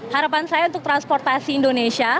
harapan saya untuk transportasi indonesia